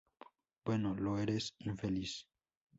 Bueno, lo eres, infeliz?